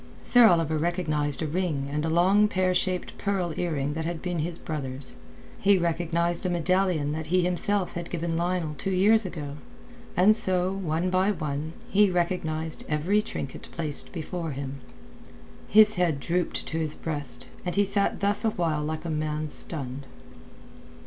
Sir Oliver recognized a ring and a long pear shaped pearl earring that had been his brother's; he recognized a medallion that he himself had given Lionel two years ago; and so, one by one, he recognized every trinket placed before him. His head drooped to his breast, and he sat thus awhile like a man stunned.